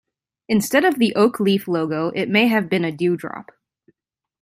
Instead of the Oak Leaf logo it may have been a dew drop.